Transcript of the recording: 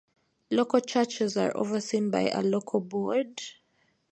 Local churches are overseen by a local board.